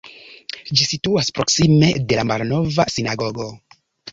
Ĝi situas proksime de la malnova sinagogo.